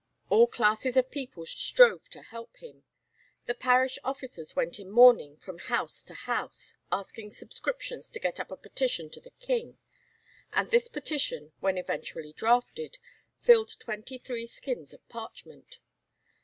All classes of people strove to help him; the parish officers went in mourning from house to house, asking subscriptions to get up a petition to the King, and this petition, when eventually drafted, filled twenty three skins of parchment.